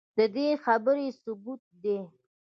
ددې خبرې ثبوت دے